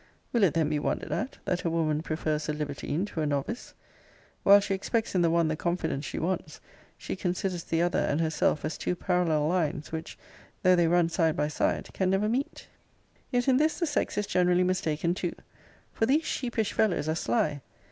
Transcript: Will it then be wondered at, that a woman prefers a libertine to a novice? While she expects in the one the confidence she wants, she considers the other and herself as two parallel lines, which, though they run side by side, can never meet. Yet in this the sex is generally mistaken too; for these sheepish fellows are sly.